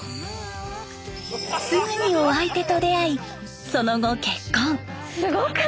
すぐにお相手と出会いその後結婚。